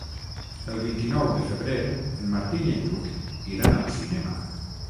El vint-i-nou de febrer en Martí i en Lluc iran al cinema.